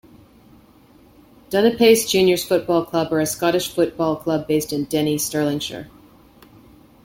Dunipace Juniors Football Club are a Scottish football club based in Denny, Stirlingshire.